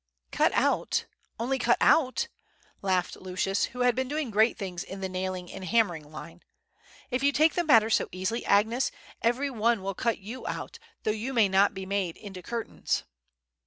"Cut out—only cut out?" laughed Lucius, who had been doing great things in the nailing and hammering line; "if you take the matter so easily, Agnes, every one will cut you out, though you may not be made into curtains!"